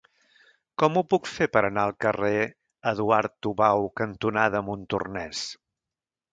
Com ho puc fer per anar al carrer Eduard Tubau cantonada Montornès?